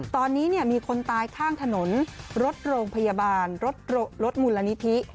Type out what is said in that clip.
ตอนนี้มีคนตายข้างถนนรถโรงพยาบาลรถมูลนิธิ